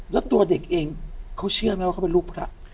แล้วตัวเด็กเองเขาเชื่อไหมว่าเขาเป็นลูกพระ